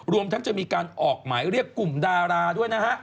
รวมทั้งจะมีการออกหมายเรียกกลุ่มดาราด้วยนะฮะ